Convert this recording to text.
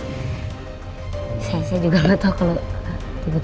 itu ibunya pari zainah bos